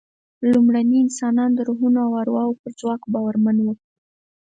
لومړني انسانان د روحونو او ارواوو پر ځواک باورمن وو.